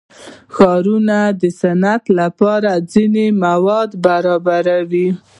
ښارونه د صنعت لپاره ځینې مواد برابروي.